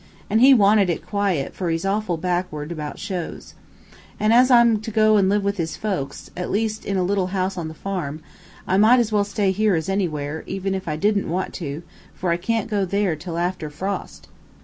An' he wanted it quiet, for he's awful backward about shows. An' as I'm to go to live with his folks, at least in a little house on the farm, I might as well stay here as anywhere, even if I didn't want to, for I can't go there till after frost."